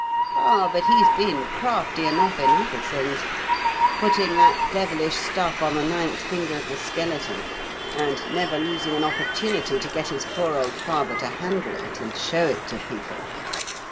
Oh, but he's been crafty enough in other things. Putting that devilish stuff on the ninth finger of the skeleton, and never losing an opportunity to get his poor old father to handle it and show it to people.